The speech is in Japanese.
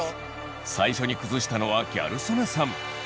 最初に崩したのはギャル曽根さん。